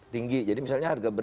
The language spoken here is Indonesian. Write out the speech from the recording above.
tinggi jadi misalnya harga